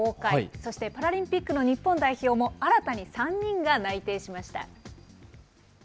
そして、パラリンピックの日本代表も、新たに３人が内定しました。